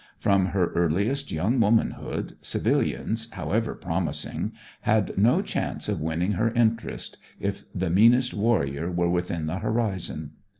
From her earliest young womanhood civilians, however promising, had no chance of winning her interest if the meanest warrior were within the horizon.